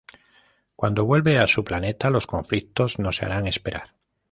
Cuando vuelve a su planeta, los conflictos no se harán esperar.